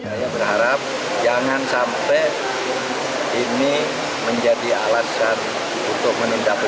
saya berharap jangan sampai ini menjadi alasan untuk menindak